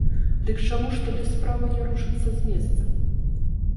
Дык чаму ж тады справа не рушыцца з месца?